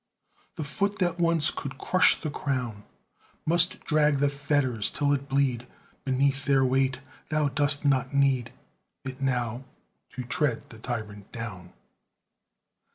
The foot that once could crush the crown, Must drag the fetters, till it bleed Beneath their weight: thou dost not need It now, to tread the tyrant down.